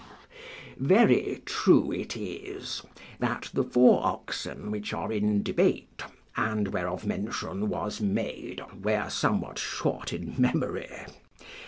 Very true it is, that the four oxen which are in debate, and whereof mention was made, were somewhat short in memory.